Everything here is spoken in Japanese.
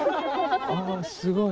あすごい。